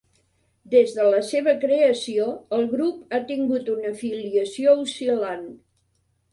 Des de la seva creació, el grup ha tingut una afiliació oscil·lant.